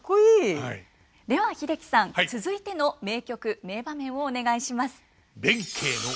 では英樹さん続いての名曲名場面をお願いします。